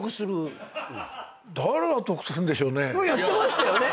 やってましたよね。